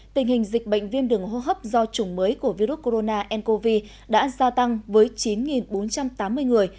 tình hình dịch bệnh viêm đường hô hấp do chủng mới của virus corona ncov đã gia tăng với chín bốn trăm tám mươi người